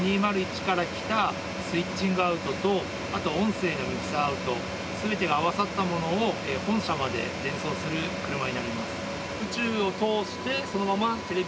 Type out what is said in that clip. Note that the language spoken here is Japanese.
Ｒ２０１からきたスイッチングアウトとあと音声のミックスアウト全てが合わさったものを本社まで伝送する車になります。